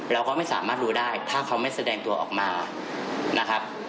เราก็ไม่สามารถรู้ได้ถ้าเขาไม่แสดงตัวออกมานะครับ